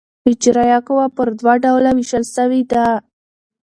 اجرائیه قوه پر دوه ډوله وېشل سوې ده.